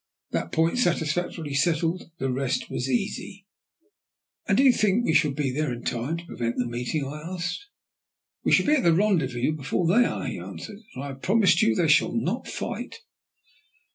That point satisfactorily settled, the rest was easy." "And you think we shall be there in time to prevent the meeting?" I asked. "We shall be at the rendezvous before they are," he answered. "And I have promised you they shall not fight."